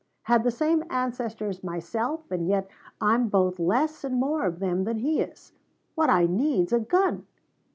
"Had the same ancestors myself, and yet I'm both less and more of them than he is. What I need's a gun!